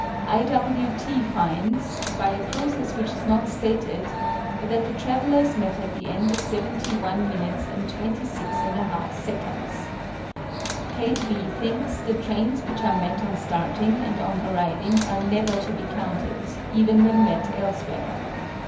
I. W. T. finds, by a process which is not stated, that the travellers met at the end of 71 minutes and 26 1/2 seconds. KATE B. thinks the trains which are met on starting and on arriving are never to be counted, even when met elsewhere.